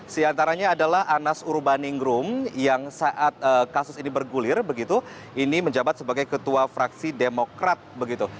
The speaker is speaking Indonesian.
di antaranya adalah anas urbaningrum yang saat kasus ini bergulir begitu ini menjabat sebagai ketua fraksi demokrat begitu